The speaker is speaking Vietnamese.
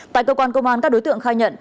tại cơ quan công an các đối tượng khai nhận